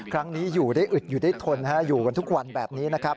ครั้งนี้อยู่ได้อึดอยู่ได้ทนอยู่กันทุกวันแบบนี้นะครับ